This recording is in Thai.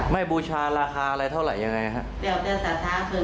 ไม่บูชาราคาอะไรเท่าไรอย่างไรครับ